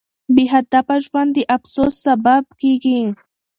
بې هدفه ژوند د افسوس سبب کیږي.